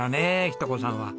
日登子さんは。